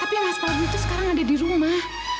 tapi yang mas pelabun itu sekarang ada di rumah